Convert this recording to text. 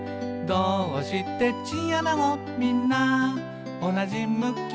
「どーうしてチンアナゴみんなおなじ向き？」